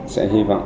sẽ hy vọng